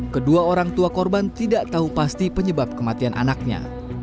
kedua orang tua korban tidak tahu pasti penyebab kematian anaknya